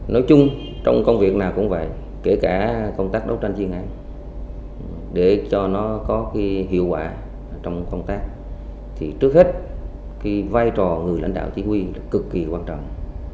nói chung trong công việc nào cũng vậy kể cả công tác đấu tranh chiến hãi để cho nó có hiệu quả trong công tác thì trước hết vai trò người lãnh đạo chỉ huy cực kỳ quan trọng